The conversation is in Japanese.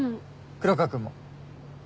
黒川君も。